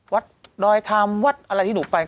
วัดรอยทำวัดอะไรที่หนูไป